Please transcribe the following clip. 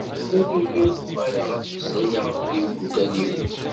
Ttweṣṣin-iyi ad uɣaleɣ ad mmeslayeɣ akked yimdukal-iw.